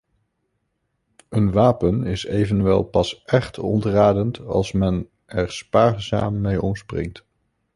Een wapen is evenwel pas echt ontradend als men er spaarzaam mee omspringt.